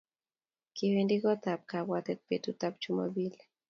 Kiwendi kot ap kabwatet petut ap Chumambili.